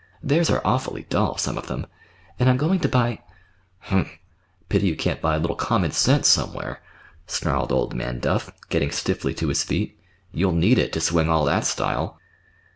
Theirs are awfully dull, some of them. And I'm going to buy—" "Humph! Pity you can't buy a little common sense—somewhere!" snarled old man Duff, getting stiffly to his feet. "You'll need it, to swing all that style."